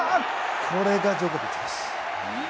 これがジョコビッチです。